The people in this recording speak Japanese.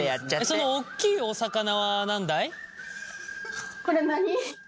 そのおっきいお魚は何だい？